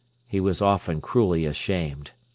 He was often cruelly ashamed.